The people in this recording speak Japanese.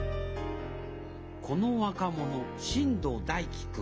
この若者進藤大樹君。